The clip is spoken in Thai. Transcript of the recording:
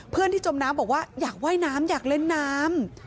เพื่อนที่จมน้ำบอกว่าอยากว่ายน้ำอยากเล่นน้ำ